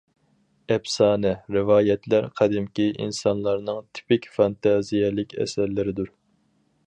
ئەپسانە، رىۋايەتلەر قەدىمكى ئىنسانلارنىڭ تىپىك فانتازىيەلىك ئەسەرلىرىدۇر.